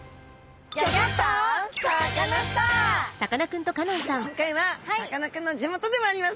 さあ今回はさかなクンの地元でもあります